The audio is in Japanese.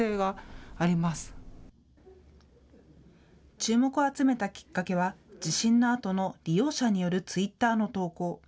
注目を集めたきっかけは地震のあとの利用者によるツイッターの投稿。